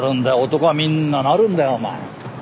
男はみんななるんだよお前。